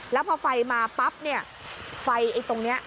แล้วพอไฟมาปั๊บเนี่ยไฟไอ้ตรงนี้